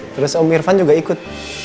terus om irfan juga ikut